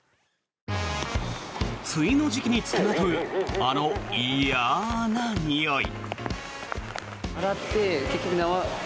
梅雨の時期に付きまとうあの嫌なにおい。